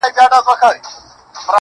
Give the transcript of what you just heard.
o د دغه ښار ښکلي غزلي خیالوري غواړي.